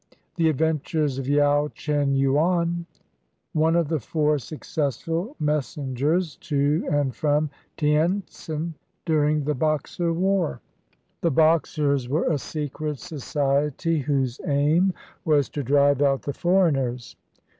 THE ADVENTURES OF YAO CHEN YUAN ONE OF THE FOUR SUCCESSFUL MESSENGERS TO AND FROM TIENTSIN DURING THE BOXER WAR [The Boxers were a secret society whose aim was to drive out the foreigners.